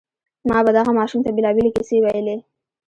ما به دغه ماشوم ته بېلابېلې کيسې ويلې.